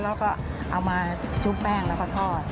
เราก็เอามาจุ๊บแป้งแล้วก็ทอด